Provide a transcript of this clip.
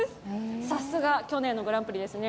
さすが去年のグランプリですね。